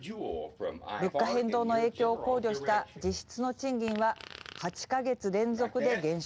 物価変動の影響を考慮した実質の賃金は、８か月連続で減少。